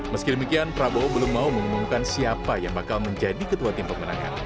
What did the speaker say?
meski demikian prabowo belum mau mengumumkan siapa yang bakal menjadi ketua tim pemenangan